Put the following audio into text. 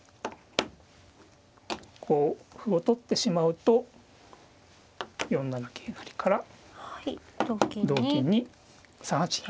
こう歩を取ってしまうと４七桂成から同金に３八銀。